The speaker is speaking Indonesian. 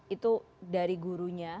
itu dari gurunya